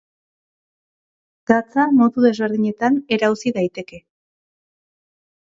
Gatza modu desberdinetan erauzi daiteke.